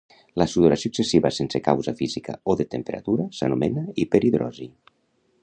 La sudoració excessiva sense causa física o de temperatura s'anomena hiperhidrosi